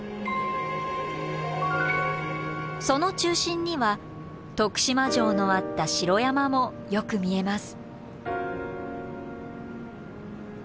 その中心には徳島城のあった城山もよく見えます。